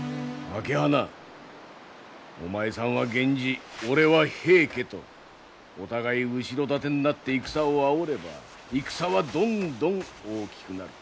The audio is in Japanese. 朱鼻お前さんは源氏俺は平家とお互い後ろ盾になって戦をあおれば戦はどんどん大きくなる。